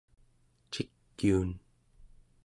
cikiun